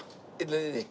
何？